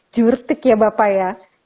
jurtik ya bapak ya